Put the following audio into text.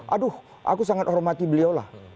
aduh aku sangat hormati beliulah